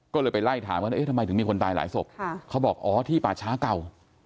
เขาบอกอ๋อที่ป่าช้าเก่า